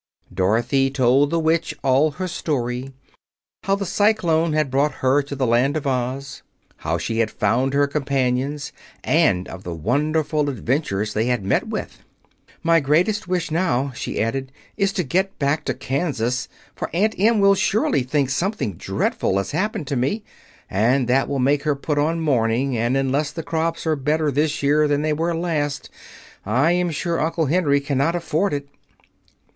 Dorothy told the Witch all her story: how the cyclone had brought her to the Land of Oz, how she had found her companions, and of the wonderful adventures they had met with. "My greatest wish now," she added, "is to get back to Kansas, for Aunt Em will surely think something dreadful has happened to me, and that will make her put on mourning; and unless the crops are better this year than they were last, I am sure Uncle Henry cannot afford it."